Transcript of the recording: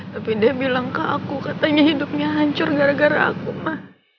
tapi dia bilang kak aku katanya hidupnya hancur gara gara aku mah